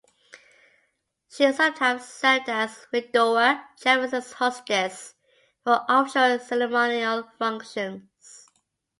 She sometimes served as widower Jefferson's hostess for official ceremonial functions.